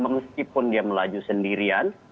meskipun dia melaju sendirian